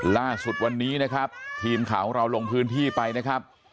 ล่าสุดวันนี้นะครับทีมข่าวของเราลงพื้นที่ไปนะครับ